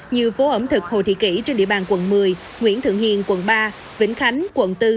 như phố ẩm thực hồ thị kỷ trên địa bàn quận một mươi nguyễn thượng hiền quận ba vĩnh khánh quận bốn